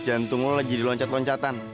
jantung lu lagi di loncat loncatan